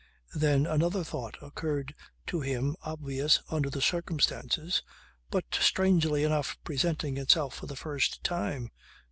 Then another thought occurred to him obvious under the circumstances but strangely enough presenting itself for the first time.